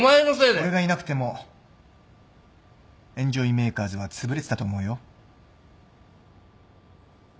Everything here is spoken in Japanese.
俺がいなくてもエンジョイメーカーズはつぶれてたと思うよ。